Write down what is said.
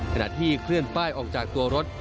ขณะที่เคลื่อนป้ายออกจากตัวรถ